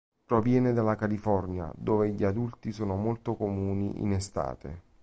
Proviene dalla California, dove gli adulti sono molto comuni in estate.